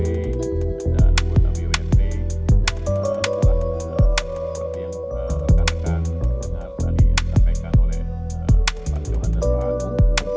adalah seperti yang terkaitkan dengan tadi yang disampaikan oleh pak johan dan pak anu